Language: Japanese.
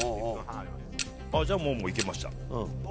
じゃあもういけました。